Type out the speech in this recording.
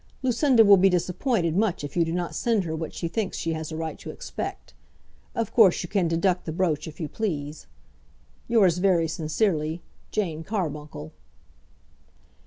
Lucinda will be disappointed much if you do not send her what she thinks she has a right to expect. Of course you can deduct the brooch if you please. Yours very sincerely, JANE CARBUNCLE.